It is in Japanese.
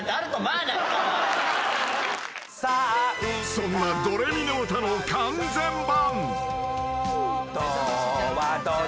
［そんな『ドレミのうた』の完全版］